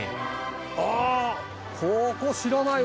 ああ！